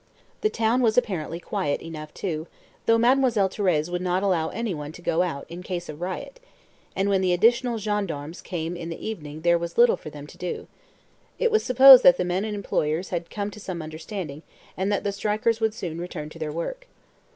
The town was apparently quiet enough too though Mademoiselle Thérèse would not allow any one to go out "in case of riot" and when the additional gendarmes came in the evening there was little for them to do. It was supposed that the men and employers had come to some understanding, and that the strikers would soon return to their work.